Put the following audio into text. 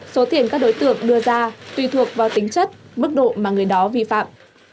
số tiền các đối tượng đưa ra tùy thuộc vào tính chất mức độ mà người đó vi phạm